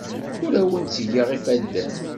Ur awen-ttgeɣ ifadden.